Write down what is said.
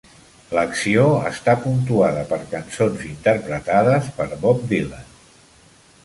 L'acció està puntuada per cançons interpretades per Bob Dylan.